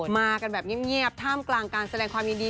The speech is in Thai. มากันแบบเงียบท่ามกลางการแสดงความยินดี